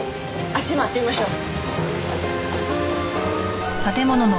あっちへ回ってみましょう。